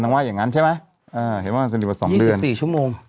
ว่าอย่างงั้นใช่ไหมอ่าเห็นว่าสนิทมาสองสิบสี่ชั่วโมง